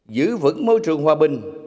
giữ vững môi trường hòa bình